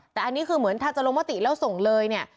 แต่อันนี้คือเหมือนถ้าจะลงมติแล้วส่งเลยเนี่ย